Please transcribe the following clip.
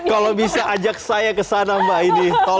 kalau bisa ajak saya kesana mbak aini